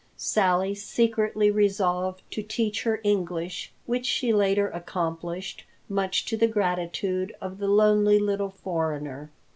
Sally secretly resolved to teach her English, which she later accomplished, much to the gratitude of the lonely little foreigner.